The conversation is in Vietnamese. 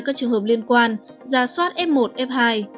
các trường hợp liên quan ra soát f một f hai